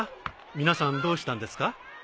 皆さんどうしたんですか？